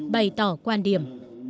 bày tỏ quan điểm